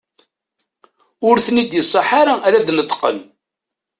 Ur ten-id-iṣaḥ ara ad d-neṭqen.